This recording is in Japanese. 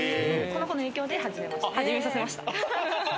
この子の影響で始めました。